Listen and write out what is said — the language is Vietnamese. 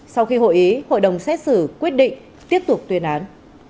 sau khi hội ý hội đồng xét xử quyết định tiếp tục tuyên án